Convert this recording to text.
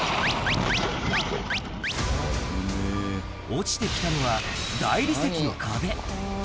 落ちてきたのは、大理石の壁。